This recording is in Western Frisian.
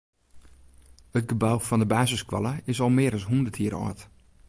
It gebou fan de basisskoalle is al mear as hûndert jier âld.